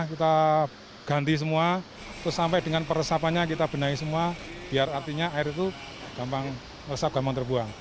kita ganti semua terus sampai dengan peresapannya kita benahi semua biar artinya air itu gampang resap gampang terbuang